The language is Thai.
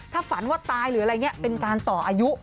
ถ้าฝันว่าตายหรืออะไรอย่างนี้เป็นการต่ออายุ